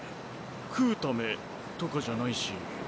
食うためとかじゃないし。